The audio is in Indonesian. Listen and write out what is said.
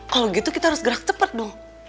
kalau gitu kita harus gerak cepat dong